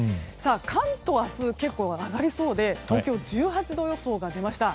関東は明日結構上がりそうで東京は１８度予想が出ました。